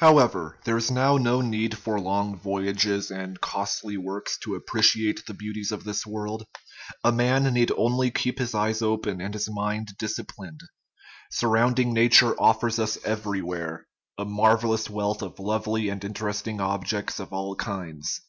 However, there is now no need for long voyages and costly works to appreciate the beauties of this world. A man needs only to keep his eyes open and his mind disciplined. Surrounding nature offers us everywhere a marvellous wealth of lovely and interesting objects of all kinds.